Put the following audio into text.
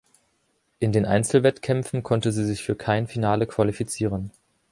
In den Einzelwettkämpfen konnte sie sich für kein Finale qualifizieren.